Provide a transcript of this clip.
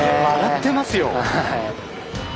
笑ってますよ。